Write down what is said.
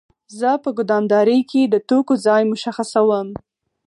زه په ګدامدارۍ کې د توکو ځای مشخصوم.